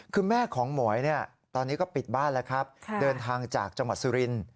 คือแม่ของหมวยตอนนี้ก็ปิดบ้านแล้วครับเดินทางจากจังหวัดสุรินทร์